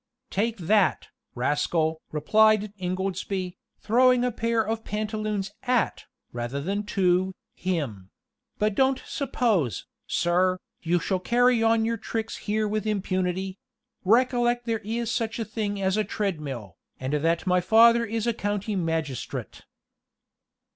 "Take that, rascal!" replied Ingoldsby, throwing a pair of pantaloons at, rather than to, him: "but don't suppose, sir, you shall carry on your tricks here with impunity; recollect there is such a thing as a treadmill, and that my father is a county magistrate."